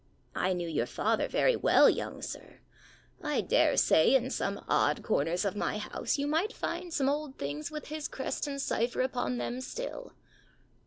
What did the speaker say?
I knew your father very well, young sir. I dare say in some odd corners of my house, you might find some old things with his crest and cipher upon them still.